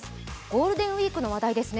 ゴールデンウイークの話題です。